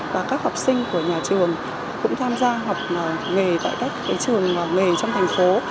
và các học sinh của nhà trường cũng tham gia học nghề tại các trường nghề trong thành phố